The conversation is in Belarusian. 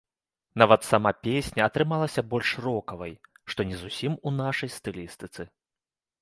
Нават сама песня атрымалася больш рокавай, што не зусім у нашай стылістыцы.